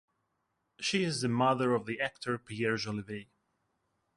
She is the mother of the actor Pierre Jolivet.